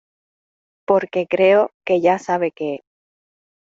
porque creo que ya sabe que